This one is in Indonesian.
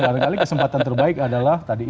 barangkali kesempatan terbaik adalah